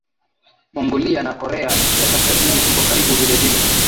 Mongolia na Korea ya Kaskazini Iko karibu vilevile